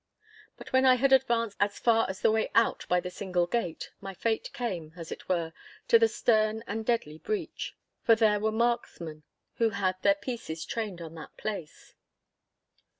But when I had advanced as far as the way out by the single gate, my fate came, as it were, to the stern and deadly breach. For there were marksmen who had their pieces trained on that place.